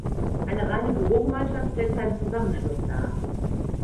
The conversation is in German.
Eine reine Bürogemeinschaft stellt keinen Zusammenschluss dar.